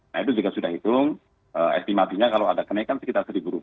nah itu juga sudah hitung estimatinya kalau ada kenaikan sekitar rp satu